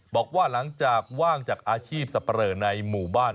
บอกว่าหลังจากว่างจากอาชีพสับปะเลอในหมู่บ้าน